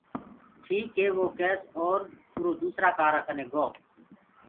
ٺيڪ هي وه ڪيس اور اُرو دوُسرآ ڪآرآ ڪني گو۔